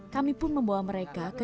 kami pun membawa mereka ke